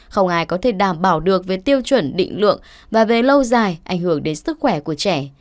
không ai có thể đảm bảo được về tiêu chuẩn định lượng và về lâu dài ảnh hưởng đến sức khỏe của trẻ